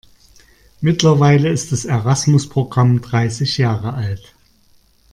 Mittlerweile ist das Erasmus-Programm dreißig Jahre alt.